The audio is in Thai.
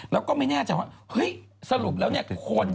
แล้วก็ไม่แน่ใจว่าเฮ้ยสรุปแล้วเนี่ยคน